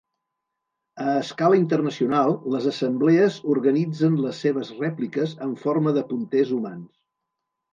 A escala internacional les assemblees organitzen les seves rèpliques en forma de punters humans.